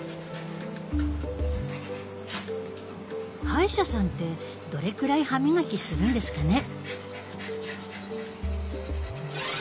歯医者さんってどれくらい歯みがきするんですかね。